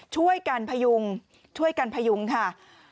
ช่วยกันพยุงช่วยกันพยุงค่ะ